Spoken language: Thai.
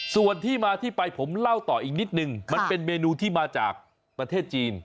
ส่วนที่มาที่ไปผมเล่าต่ออีกนิดนึงมันเป็นเมนูที่มาจากประเทศจีน